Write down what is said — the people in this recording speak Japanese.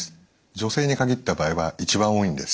女性に限った場合は一番多いんです。